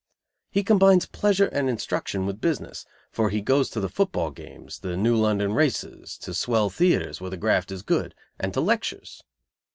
He combines pleasure and instruction with business, for he goes to the foot ball games, the New London races, to swell theatres where the graft is good, and to lectures.